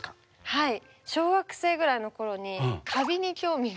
はい。